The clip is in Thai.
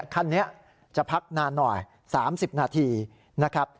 คันนี้จะพักนานหน่อย๓๐นาทีนะครับ